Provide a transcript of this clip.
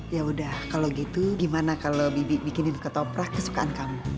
yaudah kalau gitu gimana kalau bibi bikinin ketoprak kesukaan kamu